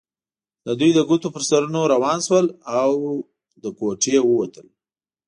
دوی د ګوتو پر سرونو روان شول او له کوټې ووتل.